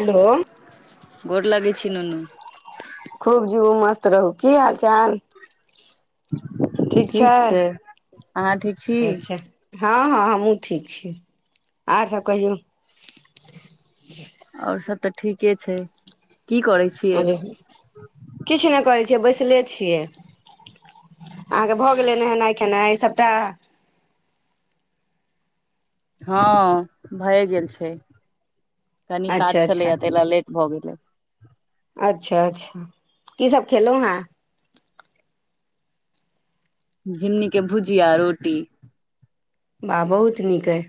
Hello गोर लागै छै नूनू खूब जीयू मस्त रहू की हाल चाल ठीक छै अहाँ ठीक छी अच्छा हँ हँ हमहुँ ठीक छी आर सब कहियौ आओर सब तऽ ठीके छै की करै छी आ किछ नहि करै छियै बैसले छियै अहाँके भऽ गेलै नहेनाई खेनाई सभटा हँ भए गेल छै कनी काज अच्छा अच्छा छलैए ताहि ल लेट भऽ गेलै अच्छा अच्छा की सब खेलौ हें झिगनीके भुजिया आ रोटी वाह बहुत नीक अय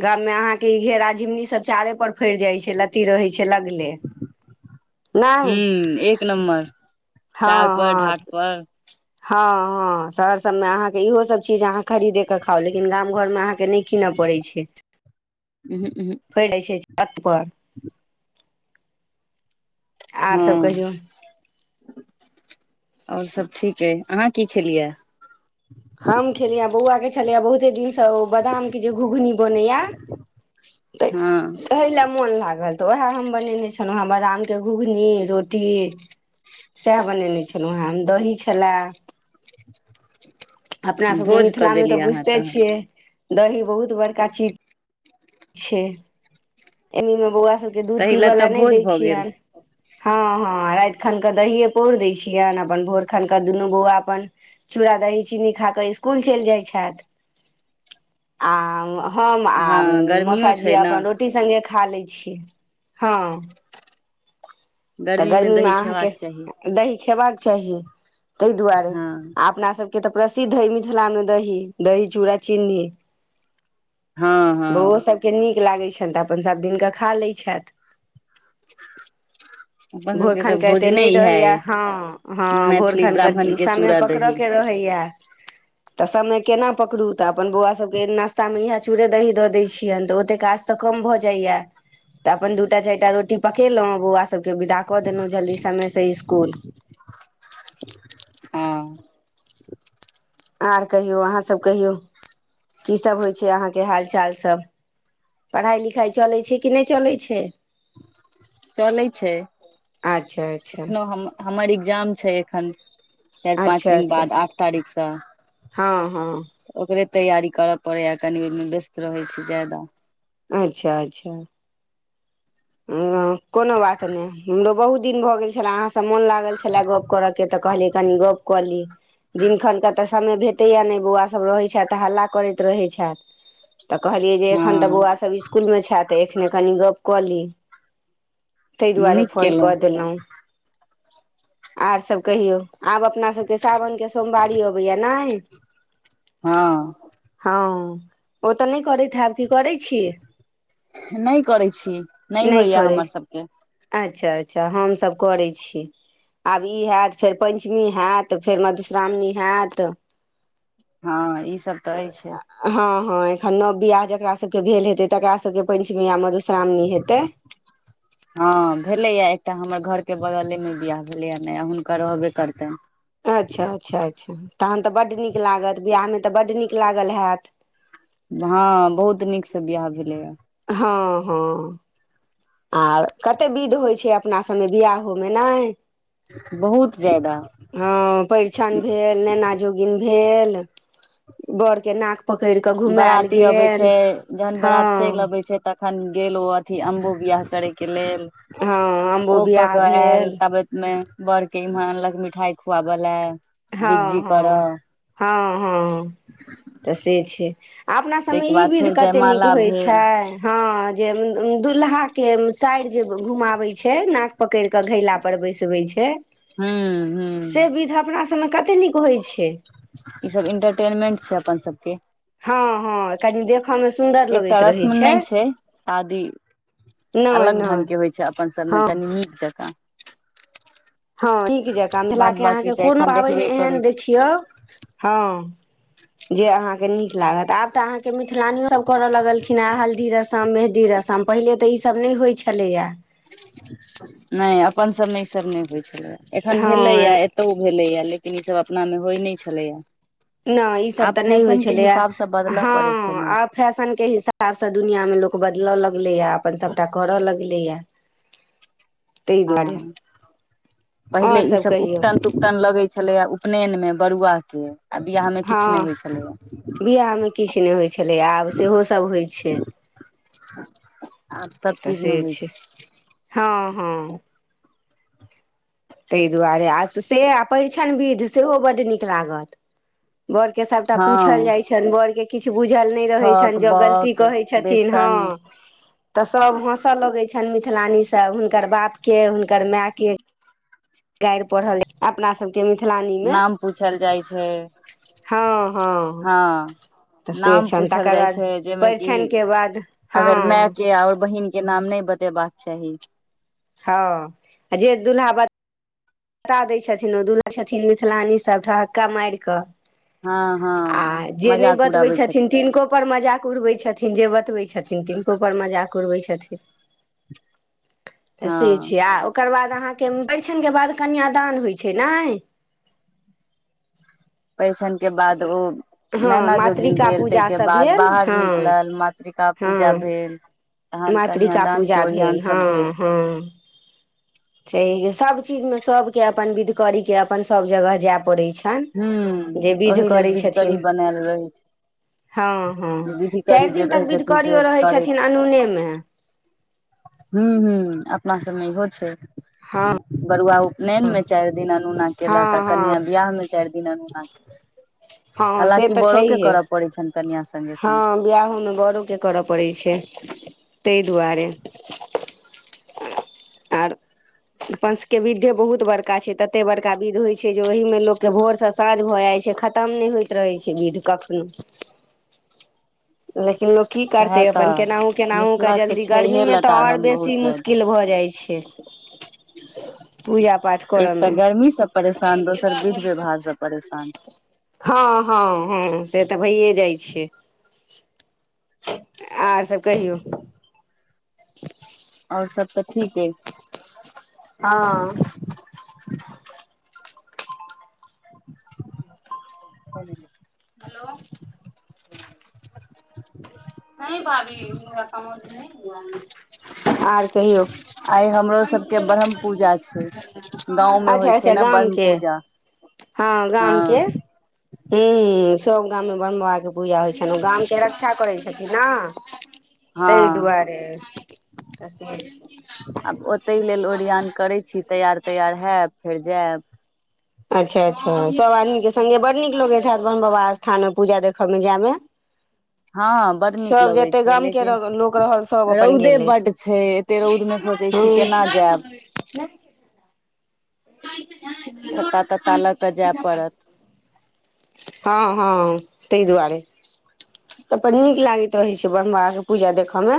गाममें अहाँके ई घेरा झिंगुनी सब चारे पर फड़ि जाय छै लत्ती रहै छै लटकल ह्म एक नम्बर चार हँ पर हँ ढाट पर हँ हँ शहर सभमे अहाँके इहोसभ चीज अहाँ खरीदेके खाउ लेकिन गाम घरमे अहाँके नहि कीनय पड़ै छै [unintelligible] [unintelligible] आर सब हँ कहियौ आओर सब ठीक अछि अहाँ की खेलियै हम खेलियै बौआ के छलियैए बहुते दिनसँ ओ बादाम के जे घुघनी बनैया तै हँ एहि ल मोन लागल तऽ उएह हम बनेने छलौ हेँ बादामके घुघनी रोटी सएह बनेने छलौ हेँ दही छल‌ए [unintelligible] अपना सबके भोज कऽ मिथिला मे देलियै तऽ अहाँ बुझिते तहन छियै दही बहुत बड़का चीज छै एनीमे बौआ सभके दूध ताहि पीबै तऽ लए नहि भोज दै भऽ गेल छियनि हँ हँ राति खन के दहिए पौर दै छियनि अपन भोर खन के दुनू बौआ अपन चूड़ा दही चीनी खा कऽ स्कुल चलि जाइत छथि आ हम हँ गर्मियो मौसा जी छै ने अपन रोटी सङ्गे खा लै छियै हँ तऽ गर्मी मे दही अहाँके खेबाक चाही दही खेबाक चाही ताहि दुआरे हँ आ अपना सभके तऽ प्रसिद्ध हइ मिथिलामे दही दही चूड़ा चीन्नी हँ हँ बौओ सभके नीक लागै छैन तऽ अपन सभ दिनके खा लैत छैथ [inaudible] सबके तऽ भोरखन के एते भोजने नइ इएह रहैय अइ यऽ हँ हँ मैथिली भोरखन ब्राह्मण कऽ के सने चूड़ा दही पकड़य के रह रहैय यऽ तऽ सब मे केना पकड़ू तऽ अपन बौआ सभके नाश्तामे इहे चूड़े दही दऽ दैत छियैन तऽ ओतेक काज कम भऽ जाइया तऽ अपन दूटा चारिटा रोटी पकेलहुँ बौआ सब के विदा कऽ देलहुँ जल्दी समय से इसकुल हँ आर कहियौ अहाँ सब कहियौ की सब होइ छै अहाँके हाल चाल सब पढ़ाइ लिखाइ चलै छै कि नहि चलै छै चलै छै अच्छा अच्छा एखनो हम हमर एग्जाम छै एखन चारि पाँच अच्छा दिन अच्छा बाद आठ तारीख सँ हँ हँ ओकरे तैयारी करऽ पड़ैय कनी ओहिमे व्यस्त रहै छी ज्यादा अच्छा अच्छा हँ कोनो बात नहि हमरो बहुत दिन भऽ गेल छलै अहाँ सम मोन लागल छले गप्प करय के तऽ कहली कनि गप्प कऽ ली दिनखनके तऽ समय भेटैए नहि बौआसभ रहैत छथि तऽ हल्ला करैत रहै छथि तऽ कहलियै जे हँ एखन तऽ बौआसभ स्कूलमे छैथ तऽ एखने कनि गप्प कऽ ली ताहि दुआरे नीक फोन केलहुँ कऽ देलहुँ और सभ कहियौ आब अपनासभके साावनके सोमवारी अबैय यऽ नै हँ हँ ओ तऽ नहि करैत हेब की करै छी नहि करै छी नहि होइए करै हमर सबके अच्छा अच्छा हमसभ करै छी आब ई होयत फेर पञ्चमी होयत फेर मधुश्रावणी होयत हँ ई सब तऽ अछि हँ हँ एखन नव बियाह जकास सभके भेल हेतै तकास सभके पञ्चमी आ मधुश्रावणी हेतै हँ भेलैए एकटा हमर घरके बगलेमे बियाह भेलैए नया हुनका रहबे करतैन अच्छा अच्छा अच्छा तहन तऽ बड्ड नीक लागत बिआहमे तऽ बड्ड नीक लागल हैत हँ बहुत नीकसँ बियाह भेलैए हँ हँ आर कते विध होइ छै अपना सभमे बियाहोमे नाय बहुत ज्यदा हँ परिछन भेल नेना जोगिन भेल बर के नाक पकड़ि कऽ घुमायल बराती अबै छै गेल जहन हँ बरात चैल अबै छै त अखन गेल ओ अथी अम्बु बियाह करे केऽ लेल हँ ओ अम्बो कऽ बियाह कऽ आयल भेल तब मे बड़ के इम्हर अनलक मिठाइ खुआबऽ लए हँ हँ हँ हँ तऽ से छै आ अपना सभमे ताहिके ई बाद विध फेर कते नीक जयमाला होइत छै भेल हँ जे दुल्हा के साइड़ जे घुमवे छै नाक पकैड़ क घैला पर बैसबै छै हूं हूं से विध अपना सबमे कते नीक होइ छै ई सब इंटरटेनमेंट छै अपन सबके हँ हँ कनि देखयमे सुन्दर एकटा लगैत रहै रस्म छै नहि शादी नहि अलग ढंग नहि के होइ छै अपन सभमे हँ कनि नीक जकाँ हँ नीक जकाँ बाद मथिलाके बाकी अहाँके तऽ कोनो एखन पाबैन देखबे करै एहन देखियौ हँ जे अहाँके नीक लागत आब तऽ आहाँके के मिथिलानियो सब करऽ लगलिन हे हल्दी रस रसम मेहदी रसम पहिले तऽ ईसभ नहि होइ छलैय यऽ नहि, अपन सभमे ई सभ नहि होइत छलै, एखन भेलैए। हँ कऽ तऽ ओ भेलैए, लेकिन ई सभ अपना मे होइ नहि छलैए। नहि, ई सभ आब तऽ नहि होइ फैशनके छलैए, हिसाबसँ बदलय हँ पड़ै छै ने आब। फैशनके हिसाबसँ दुनियामे लोक बदलय लगलैए, अपन सभटा करय लगलैए। ताहि दुआरे हँ, पहिले आओर ई सभ नहि कहियौ होइत छल। कीर्तन लगैत छलैए उपनयनमे बरुआकेँ, आ विवाहमे किछु नहि हँ होइत छलैए। बियाहमे किछु नहि होइत छलै, आब सेहो सभ होइ छै। आब सभ तऽ से चीजमे होइ छै। हँ हँ [inaudible] ताहि दुआरे आ से परिछनक विधि सेहो बड्ड नीक लगैत छै। बड़के सभटा पूछल हँ जाइत छनि, बड़के। किछु बुझल नहि रहैत छनि, थक जँ गलती बक कहैत छथिन हँ। बेसन तऽ सभ हँसय लगैत छनि, मिथिलानीसँ हुनकर बापके, हुनकर मायके। गारि पढ़ल अपना सभ। नाम पूछल जाइ छै हँ। तऽ से नाम छनि पूछल तकर जाइ बाद छै जाहिमे कि परिछनि के बाद अगर हँ मायके आओर बहिनके नाम नहि बता। से बात छै हँ जे दुल्हा ब पता दैत छथिन ओ दूल्हा छथिन, मिथिलानी सभ ठक्का मारि कऽ। हँ आ हँ जे नहि मजाक बतबै उड़ाबै छथिन, तनको। पर मजाक उड़बै छथिन जे बतबै छथिन, तिनको पर मजाक उड़बै छथिन। तऽ से हँ छै, आ ओकर बाद अहाँकेँ परिछनके बाद कन्यादान होइत छै ने। परिछनके बाद ओ। हँ नैना जोगिन मातृका भेल, पूजा ताहिके सब बाद भेल बाहर हँ निकलल, मातृका पूजा हँ भेल। तखन मातृका कन्यादानकेँ पूजा ओरियान भेल हँ सभ भेल। हँ छै, सभ चीजमे सभकेँ अपन विधि करै, अपन सभ जगह जाय पड़ैत छै। हँ, ओहि लेल विधिकरी बनाओल रहै छै। हँ हँ, विधिकरी चारि जे दिन रहै तक छथिन विधिकरी से रहै छथिन, अनुनेमे। हँ हँ, अपना सभमे इहो छै। हँ बरुआ उपनयनमे चारि दिन अन्न नहि केलक आ हँ कन्या हँ बियाहमे। चार दिन अनुना हँ, से तऽ छैहे पड़ै छनि कनिया संगे संगे हँ, बियाहमे गारोकेँ। करऽ पड़ैत छै, ताहि दुआरे। आर अपन सभ विधि बहुत बड़का। बड़का छै, ततेक बड़का विधि होइ छै जे ओहिमे लोककेँ भोरसँ साँझ भऽ जाइत छै, खतम नहि होइत रहै छै विधि कखनो। [inaudible] [inaudible] लेकिन लोक की सएह करतै, अपनके तऽ केनाहु केनाहुके मिथिला के जल्दी। छैहे गर्मीमे तऽ आओर लटारम बहुत बेसी मुश्किल। ज्यादा किल भऽ जाइ छै [inaudible] पूजा पाठ एक करऽ तऽ मे गर्मीसँ परेशान, दोसर विधि व्यवहारसँ परेशान। हँ हँ हँ, से तऽ भइए जाइ छै। आर सभ कहियौ [inaudible] आओर सभ तऽ ठीक आइ हँ कह हेलो नहि भाभी, आओर कहियौ? आइ हमरो सभकेँ ब्रह्म पूजा छै। गाँंव में अच्छा होइ छै अच्छा, ने ब्रह्म गामकेँ पूजा हँ, गामकेँ। हम्म, सभ गाममे ब्रह्म बाबाके पूजा होइ छनि, ओ गामके रक्षा करै छथिन ने। ताहि हँ दुआरे। आब ओतहि लेल ओरिआन करैत छी, तैयार-तैयार होयब, फेर जायब। अच्छा अच्छा, सभ आदमीके सङ्गे बड़ नीक लगैत हैत, बाबा स्थानमे पूजा देखयमे जायमे। हँ, बड़ नीक लगै जते छै, गाम के लेकिन लोक रहल सब अपन रौद गेलथि बड्ड छै। तेँ रौदमे सोचै छी, हूँ केना जायब। छत्ता तत्ता लऽ कऽ जाय पड़त। हँ हँ तहि दुआरे तऽ नीक लागैत रहै छै, ब्रह्म बाबाके पूजा देखयमे।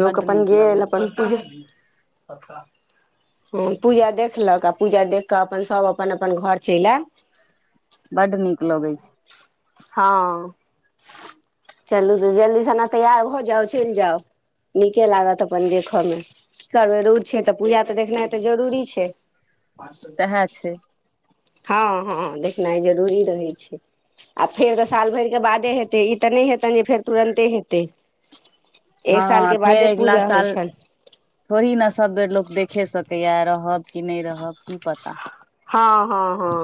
लोक बड्ड अपन नीक गेल, लगै अपन छै पूजा। हँ, पूजा देखलक आ पूजा देख कऽ अपन सभ अपन अपन घर चलि आयब। बड नीक लगैत छै। हँ, चलू तऽ जल्दीसे तैयार भऽ जाउ, चलि जाउ। नीके लागत अपन देखऽमे। करबै, रौद छै तऽ पूजा तऽ देखनाइ जरूरी छै। सएह छै हँ हँ देखनाइ जरूरी रहै छै। आ फेर तऽ साल भरिके बादे हेतै, ई तऽ नहि हेतै जे फेर तुरन्ते हेतै। एक हँ सालके बादे पूजा होइ छनि। थोड़ीक ने, सभ बेर लोक देखय सकैया। रहब कि नहि रहब, की पता। हँ हँ हँ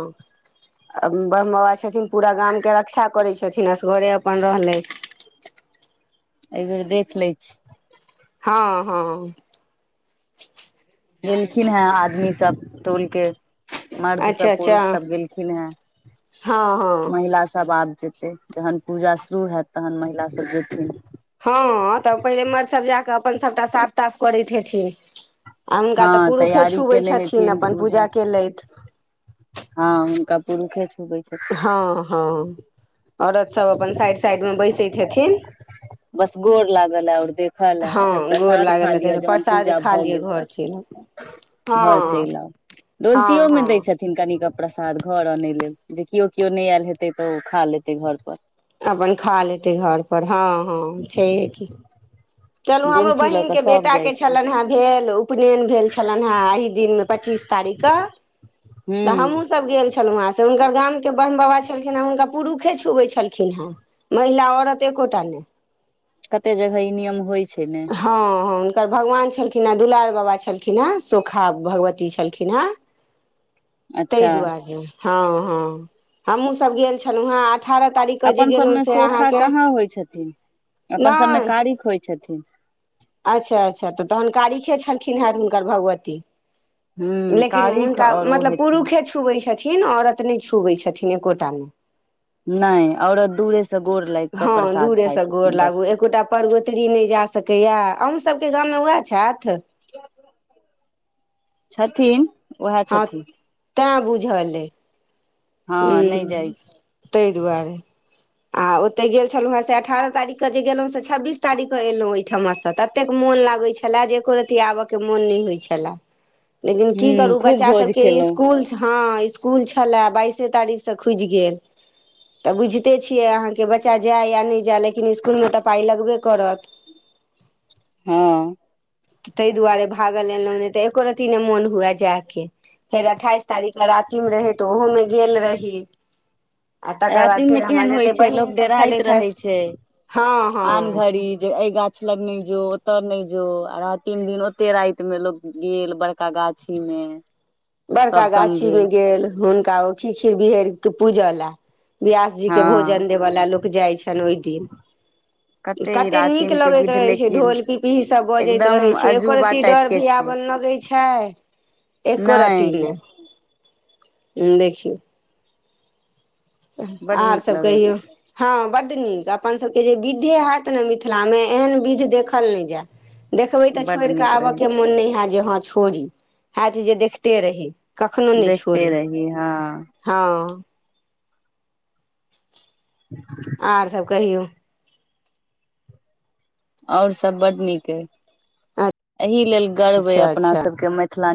ब्रह्म बाबा छथिन, पूरा गामके रक्षा करै छथिन, असगरे अपन रहलै। एहि बेर देख लै छी। हँ हँ गेलखिन हे, आदमी सभ टोलके। मर्द अच्छा सभ, अच्छा पुरुष सभ गेलखिन हेँ, हँ हँ महिला सभ आब जेतै। जखन पूजा शुरू हेतै, तखन महिलासभ जेथिन। हँ तऽ पहिले मर्द सभ जा क अपना साफ ताफ करैत हेथिन आ हुनका तऽ हँ पुरुषे तैयारी छुबै केने छथिन, हेथिन अपन पूजा के, केलथि। हँ, हुनका पुरुषे छुबै छथिन। हँ हँ औरत सभ अपन साइड साइडमे बैसैत हेथिन। बस गोर लागल आओर देखल, आ हँ फेर गोर प्रसाद खा लागल लिअ, हेतै जखन प्रसाद पूजा खा भऽ लिअ गेल घर तऽ। चलि घर हँ चलि आउ, हँ ओलचियोमे दै हँ छथिन। नहि, कनि प्रसाद घर अनय लेल, जे केओ केओ नहि आयल हेतै तऽ ओ खा लेते। अपन खा लेतै घर पर, हँ हँ, छैहे की। चलू, हमरो डोलची लऽ कऽ बहिनके सभ बेटा जाइ के छै छलनि हे, भेल। उपनयन भेल छलनि हे एहि दिनमे पच्चीस तारीखके, तऽ हूँ हमहुँ। सभ गेल छलहुँ हेँ, से हुनकर गामके ब्रह्म बाबा छलखिन हे, हुनका पुरुषे छुबैत छलखिन हेँ। महिला औरत एकोटा नहि। कतऽ जगह ई नियम होइ छै ने। हँ हँ, हुनकर भगवान छलखिन हेँ, दुलार बाबा छलखिन हेँ, सोखा भगवती छलखिन हेँ। [inaudible] ताहि अच्छा दुआरे हँ हँ, हमहुँ सभ गेल छलहुँ हेँ। अठारह तारीखके जे अपन गेलहुँ सबमे से सोखा अहाँके कहाँ नहि। कि होइ छथिन अच्छा अच्छा, तऽ तखन कारीखे छलखिन हेतनि हुनकर भगवती। हूँ लेकिन कारिख हुनका, आओर ओ मतलब हेथिन पुरुषे छुबैत छथिन, औरत नहि छुबैत छथिन, एकोटा नहि। नहि, औरत दूरेसँ गोर लागि कऽ हँ प्रसाद खाइ दूरेसँ गोर छथिन, लागू बस। एकोटा परगोतरी नहि जा सकैया अहूँ सबके गाममे वैह छथि? छथिन वैह हँ छथिन। तैँ बुझल अइ हँ नहि जाइ ह छी ताहि दुआरे। आ ओतय गेल छलहुँ हँ से अठारह तारीखकेँ जे गेलहुँ से छब्बीसारीखकेँ एलहुँ ओहिठमासँ तऽ ततेक मोन लागैत छला जे एको रती आबय के मोन नहि होय छला। [inaudible] लेकिन की हूँ करू खूब बच्चा भोज सबके खेलहुँ स्स्कूल हँ इ स्कूल छला बाइस तारीख स खुजी गेल त बुझते छीय आहा के बच्चा जाय या न जाय लेकिन इसकुलमे तऽ पाइ लगबे करत। हँ ताहि दुआरे भागल एलहुँ नहि तऽ एको रती नहि मोन हुवे जायके। फेर अठाइस तारीख के राति मे रहय तऽ ओहु मे गेल रही। आ तकर बाद रातिमे फेर हमर केहन होइ जतेक छैय लोक बहीनसभ डराइत छलथि हे रहै छैय। हँ आन हँ घरी जे अय गांव गाछ लग नहि जो ओत नहि जो आ रहा तीन दिन ओते राति में लोग गेल बड़का गाछी में। [inaudible] बड़का गाछीमे गेल हुनका ओ खीखीर बिहड़ कऽ पूजय ला। बियास जी के हँ भोजन देवयला लोक जाइ छल ओहि दिन। ई कते नीक रातिम के लगैत विध रहै छैय लेकिन ढोल पिपही सब बजैत एकदम रहै छैय एको अजूबा रती टाइप डर के छै भैयाबन हाय छैय एको रती नहि नही देखियौ। बड आर नीक सभ लगै कहियौ। हँ बड नीक अपन सबके जे विधे हैत ने मिथिला मे एहन विध देखल नहि जायत। देखबै छै तऽ बड छोड़ कऽ नीक रहै आबयके मोन नहि हैत जे हँ छोड़ी। हैत जे देखते रही कखनो छै नहि देखते छोड़ी रही हँ हँ। [inaudible] आओर सब कहियौ। और सब बड नीक अय आ एहि लेल गर्व अय अच्छा अपना अच्छा सबके मिथिलानी